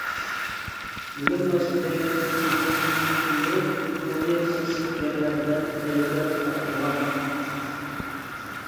بۆلۈم باشلىقى تۇخۇمدىن تۈك ئۈندۈرۈپ، ئۇنى سېسىق گەپلەر بىلەن ئەيىبلەپ خاپا قىلغان.